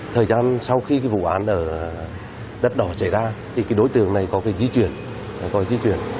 thời gian sau khi vụ án ở đất đỏ xảy ra thì cái đối tượng này có cái di chuyển